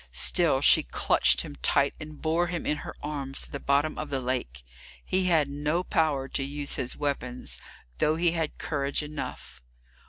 Still she clutched him tight, and bore him in her arms to the bottom of the lake; he had no power to use his weapons, though he had courage enough.